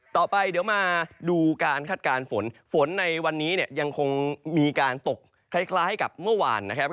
ต่อไปเดี๋ยวมาดูการคาดการณ์ฝนฝนในวันนี้เนี่ยยังคงมีการตกคล้ายกับเมื่อวานนะครับ